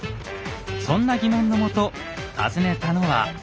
そんな疑問のもと訪ねたのは大阪。